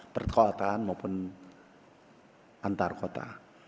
perkekuatan maupun antar kota